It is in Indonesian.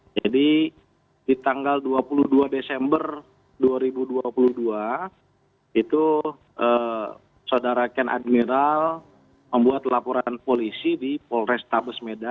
jadi di tanggal dua puluh dua desember dua ribu dua puluh dua itu saudara ken admiral membuat laporan polisi di polrestabes medan